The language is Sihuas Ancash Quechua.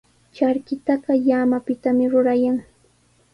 Charkitaqa llamapitami rurayan.